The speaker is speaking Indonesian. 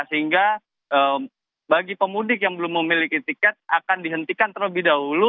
sehingga bagi pemudik yang belum memiliki tiket akan dihentikan terlebih dahulu